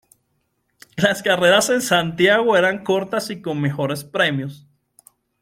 Las carreras en Santiago eran cortas y con mejores premios.